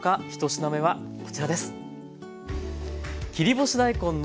１品目はこちらです。